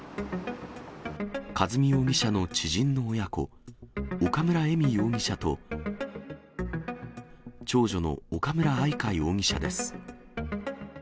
和美容疑者の知人の親子、岡村恵美容疑者と、長女の岡村愛香容疑者です。